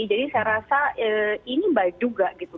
jadi saya rasa ini baik juga gitu